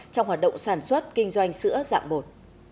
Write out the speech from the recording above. trong hoạt động sản xuất kinh doanh sữa dạng bột